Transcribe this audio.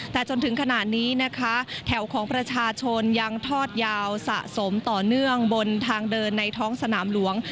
แต่จนถึงขณะนี้นะคะแถวของประชาชนยังทอดยาวสะสมต่อเนื่องบนทางเดินในท้องสนามหลวง